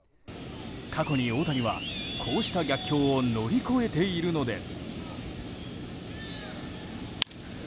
過去に大谷は、こうした逆境を乗り越えているのです。